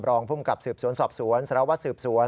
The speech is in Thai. รองภูมิกับสืบสวนสอบสวนสารวัตรสืบสวน